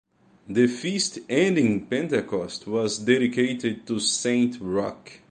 The feast ending Pentecost was dedicated to Saint Roch.